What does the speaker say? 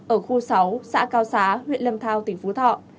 ở khu sáu xã cao xá huyện lâm thao tỉnh phú thọ